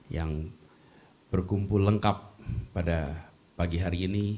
yang berkumpul lengkap pada pagi hari ini